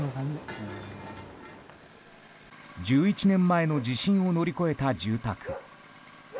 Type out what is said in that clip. １１年前の地震を乗り越えた住宅。